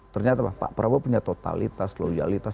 ternyata pak prabowo punya totalitas loyalitas